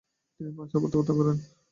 তিনি ফ্রান্সে প্রত্যাবর্তন করেন।